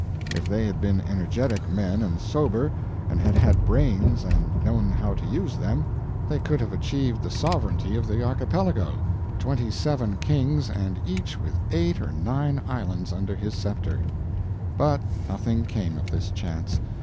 If they had been energetic men and sober, and had had brains and known how to use them, they could have achieved the sovereignty of the archipelago( )twenty seven kings and each with eight or nine islands under his scepter. But nothing came of this chance.